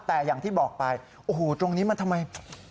แต่อย่างที่บอกไปโอ้โหตรงนี้มันทำไม